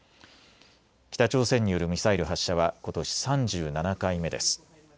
北朝鮮によるミサイル発射はことし３７回目です。